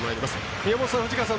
宮本さん、藤川さん